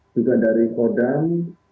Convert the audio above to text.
juga dari kodam